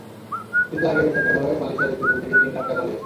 কিন্তু আগে বেসরকারিভাবে মালয়েশিয়া যেতে দুই থেকে তিন লাখ টাকাও লেগেছে।